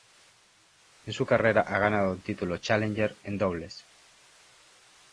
En su carrera ha ganado un título Challenger en dobles.